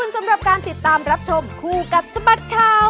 สำหรับการติดตามรับชมคู่กับสบัดข่าว